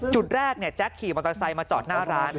จุดแรกแจ๊คขี่มอเตอร์ไซค์มาจอดหน้าร้าน